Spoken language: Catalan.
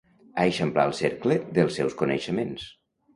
Eixamplar el cercle dels seus coneixements.